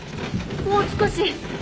もう少し！